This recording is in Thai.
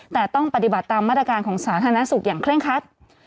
แต่ต้องปฏิบัติตามมาตรการของสาธารณสุขอย่างเคร่งคัด